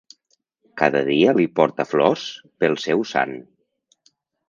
Cada dia li porta flors pel seu sant.